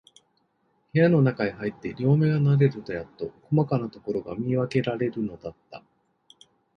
部屋のなかへ入って、両眼が慣れるとやっと、こまかなところが見わけられるのだった。